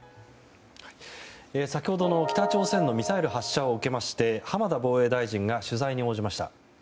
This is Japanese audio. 先ほどの北朝鮮のミサイル発射を受けまして浜田防衛大臣が取材に応じました。